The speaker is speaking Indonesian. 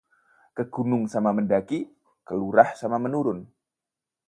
Ke gunung sama mendaki, ke lurah sama menurun